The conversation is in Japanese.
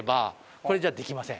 これじゃあできません。